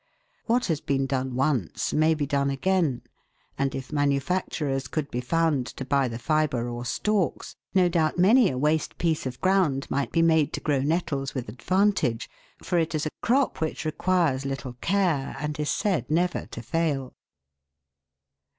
What has been done once may be done again, and if manufacturers could be found to buy the fibre or stalks, no doubt many a waste piece of ground might be made to grow nettles with advantage, for it is a crop which requires little care, and is said never to fail.